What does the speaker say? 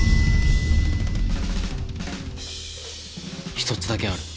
一つだけある。